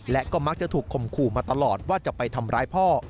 และก็มักจะถูกคมขู่มาตลอดว่าจะไปทำร้ายพ่อ